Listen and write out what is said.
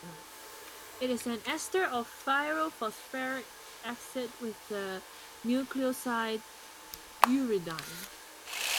It is an ester of pyrophosphoric acid with the nucleoside uridine.